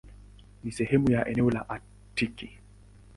Ni sehemu ya eneo la Aktiki.